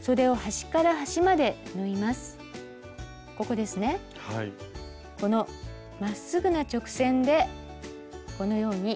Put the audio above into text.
このまっすぐな直線でこのように。